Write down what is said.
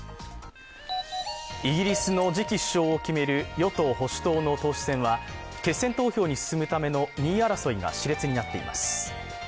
イギリスの次期首相を決める与党・保守党の党首選は決選投票に進むための２位争いがしれつになっています。